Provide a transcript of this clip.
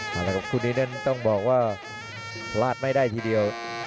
ที่คู่นี้ต้องบอกว่าลาดไม่ได้ทีเดียว